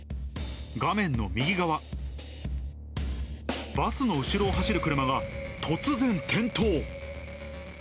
画面の右側、バスの後ろを走る車が突然転倒。